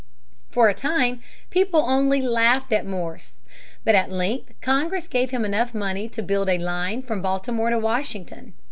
For a time people only laughed at Morse. But at length Congress gave him enough money to build a line from Baltimore to Washington.